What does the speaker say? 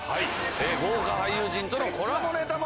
豪華俳優陣とのコラボネタもあります。